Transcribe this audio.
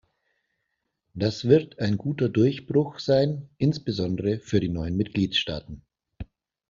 Das wird ein guter Durchbruch sein, insbesondere für die neuen Mitgliedstaaten.